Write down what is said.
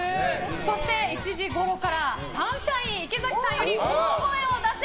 そして、１時ごろからサンシャイン池崎より大きい声を出せ！